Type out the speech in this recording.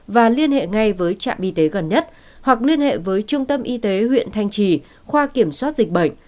và liên hệ ngay với trạm y tế gần nhất hoặc liên hệ với trung tâm y tế huyện thanh trì khoa kiểm soát dịch bệnh